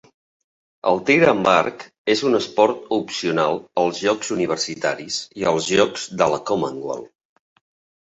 El tir amb arc és un esport opcional als Jocs universitaris i els Jocs de la Commonwealth.